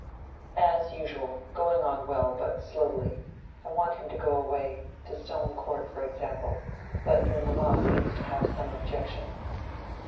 "As usual; going on well, but slowly. I want him to go away—to Stone Court, for example. But your mamma seems to have some objection."